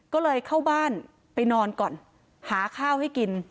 ก็เลยเข้าบ้านไปนอนก่อนหาข้าวให้กิน